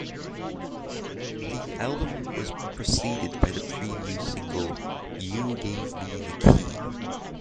The album was preceded by the preview single "You Gave Me the Key".